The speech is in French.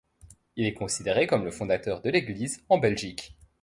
Il est considéré comme le fondateur de l'Église en Belgique.